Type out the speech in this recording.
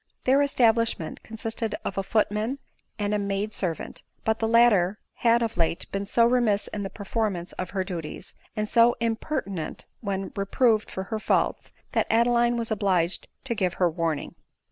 Their establish ment consisted of a footman and a maid servant ; but the latter had of late been so remiss in the performance of her duties, and so impertinent when reproved for her faults, that Adeline was obliged to give her warning.